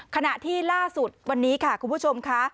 ขณะที่ล่าสุดวันนี้ค่ะคุณผู้ชมค่ะ